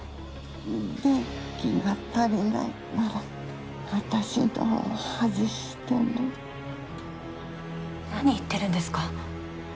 電気が足りないなら私のを外してね何言ってるんですか